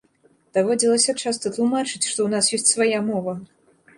Даводзілася часта тлумачыць, што ў нас ёсць свая мова.